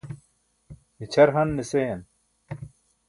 mićʰar han ne seyan